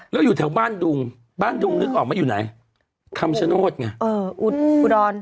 แล้วอยู่แถวบ้านดุงบ้านดุงนึกออกมาอยู่ไหนคำชโนธไงเอออุดร